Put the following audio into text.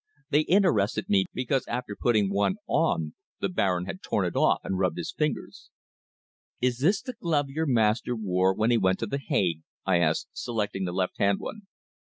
They interested me, because after putting one on the Baron had torn it off and rubbed his fingers. "Is this the glove your master wore when he went to The Hague?" I asked, selecting the left hand one.